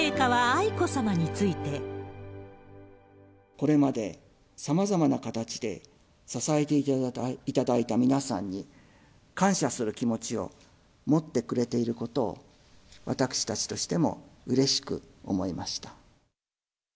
これまで、さまざまな形で支えていただいた皆さんに感謝する気持ちを持ってくれていることを、私たちとしてもうれしく思いました。